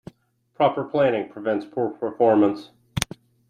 Proper Planning Prevents Poor Performance.